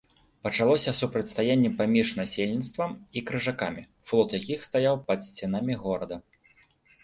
Пачалося супрацьстаянне паміж насельніцтвам і крыжакамі, флот якіх стаяў пад сценамі горада.